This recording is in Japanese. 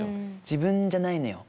自分じゃないのよ。